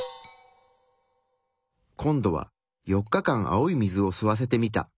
今度は４日間青い水を吸わせてみた。